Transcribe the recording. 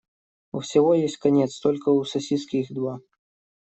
У всего есть конец, только у сосиски их два.